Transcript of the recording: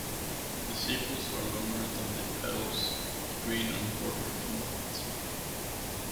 The sepals are longer than the petals, green and bordered in white.